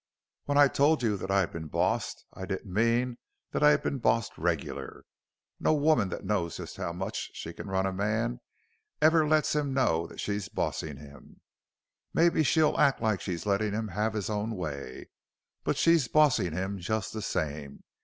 When I told you that I'd been 'bossed,' I didn't mean that I'd been bossed regular. No woman that knows just how much she can run a man ever lets him know that she's bossin' him. Mebbe she'll act like she's lettin' him have his own way. But she's bossin' him just the same.